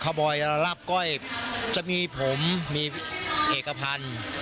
บอยรับก้อยจะมีผมมีเอกพันธ์